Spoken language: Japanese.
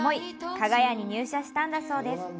加賀屋に入社したんだそうです。